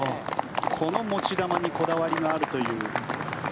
この持ち球にこだわりがあるという。